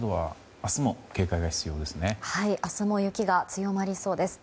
明日も雪が強まりそうです。